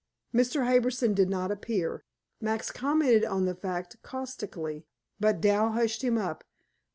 Mr. Harbison did not appear. Max commented on the fact caustically, but Dal hushed him up.